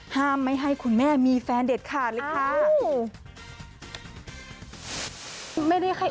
ห้ามไม่ให้คุณแม่มีแฟนเด็ดขาดเลยค่ะ